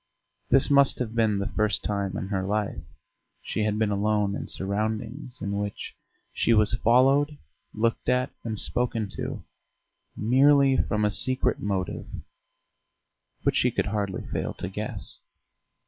This must have been the first time in her life she had been alone in surroundings in which she was followed, looked at, and spoken to merely from a secret motive which she could hardly fail to guess.